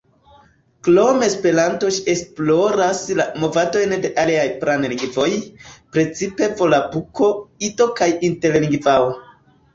Krom Esperanto ŝi esploras la movadojn de aliaj planlingvoj, precipe volapuko, ido kaj interlingvao.